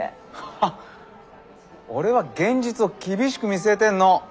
ハッ俺は現実を厳しく見据えてんの。